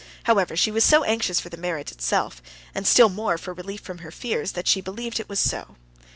However, she was so anxious for the marriage itself, and still more for relief from her fears, that she believed it was so.